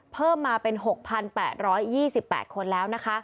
เพิ่มมาเป็น๖๘๒๘คนแล้วนะคะ